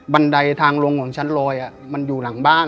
ไดทางลงของชั้นลอยมันอยู่หลังบ้าน